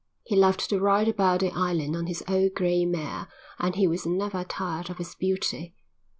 He loved to ride about the island on his old grey mare and he was never tired of its beauty.